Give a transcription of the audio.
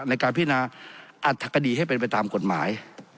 ในการพิจารณาอัลภักษณีย์ให้เป็นไปตามกฎหมาย